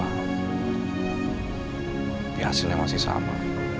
tapi hasilnya masih sama